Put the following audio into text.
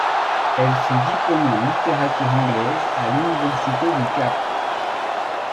Elle fut diplômé en littérature anglaise à l'université du Cap.